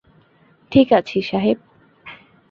ঠিক আছি, সাহেব।